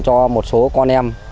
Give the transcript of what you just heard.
cho một số con em